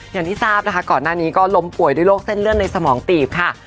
อย่างที่ทราบนะคะก่อนหน้านี้ก็ล้มป่วยด้วยโรคเส้นเลือดในสมองตีบค่ะ